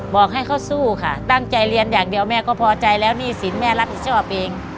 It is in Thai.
บอกให้เขาสู้ค่ะตั้งใจเรียนอย่างเดียวแม่ก็พอใจแล้วหนี้สินแม่รับผิดชอบเอง